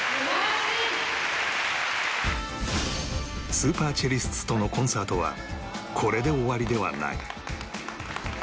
ＳｕｐｅｒＣｅｌｌｉｓｔｓ とのコンサートはこれで終わりではない